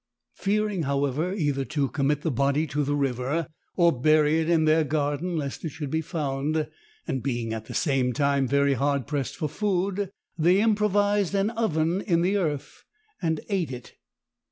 "Fearing, however, either to commit the body to the river or bury it in their garden lest it should be found, and being at the time very hard pressed for food they improvised an oven in the earth and ate it!